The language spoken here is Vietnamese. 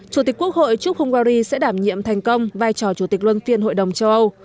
chủ tịch quốc hội chúc hungary sẽ đảm nhiệm thành công vai trò chủ tịch luân phiên hội đồng châu âu